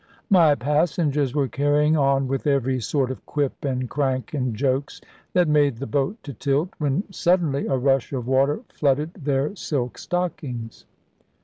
My passengers were carrying on with every sort of quip and crank, and jokes, that made the boat to tilt, when suddenly a rush of water flooded their silk stockings.